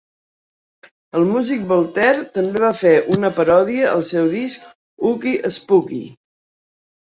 El músic Voltaire també va fer una paròdia al seu disc "Ooky Spooky".